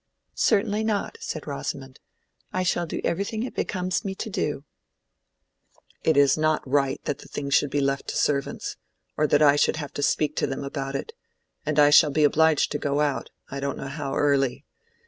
"Certainly not," said Rosamond; "I shall do everything it becomes me to do." "It is not right that the thing should be left to servants, or that I should have to speak to them about it. And I shall be obliged to go out—I don't know how early.